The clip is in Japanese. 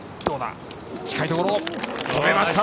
近いところに止めました。